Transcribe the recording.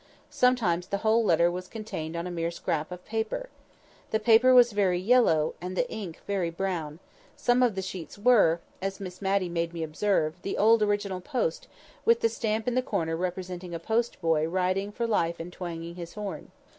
Sometimes the whole letter was contained on a mere scrap of paper. The paper was very yellow, and the ink very brown; some of the sheets were (as Miss Matty made me observe) the old original post, with the stamp in the corner representing a post boy riding for life and twanging his horn.